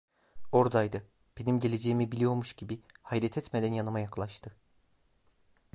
Oradaydı, benim geleceğimi biliyormuş gibi, hayret etmeden yanıma yaklaştı.